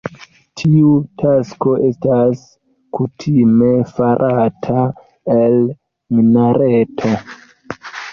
Tiu tasko estas kutime farata el minareto.